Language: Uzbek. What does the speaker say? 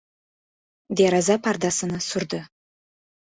Deraza pardani surdi.